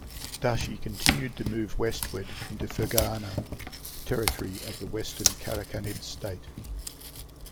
Dashi continued to move westward into Ferghana, territory of the Western Karakhanid state.